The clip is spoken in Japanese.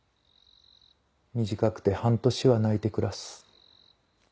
短くて半年は泣いて暮らす。